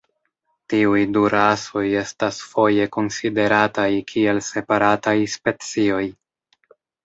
Tiuj du rasoj estas foje konsiderataj kiel separataj specioj.